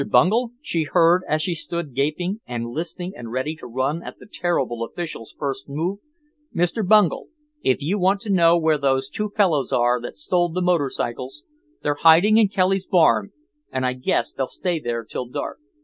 Bungel," she heard as she stood gaping and listening and ready to run at the terrible official's first move, "Mr. Bungel, if you want to know where those two fellers are that stole the motorcycles, they're hiding in Kelly's barn and I guess they'll stay there till dark.